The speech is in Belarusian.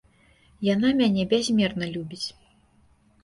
Яна мяне бязмерна любіць.